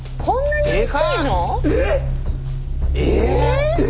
そんなに？